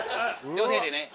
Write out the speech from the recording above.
両手でね。